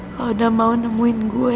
kalau udah mau nemuin gue